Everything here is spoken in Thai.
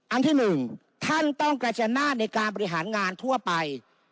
อันที่หนึ่งท่านต้องกระชนาธิในการบริหารงานทั่วไป